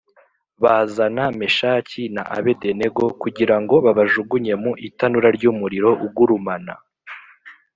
Bazana Meshaki na Abedenego kugira ngo babajugunye mu itanura ry’umuriro ugurumana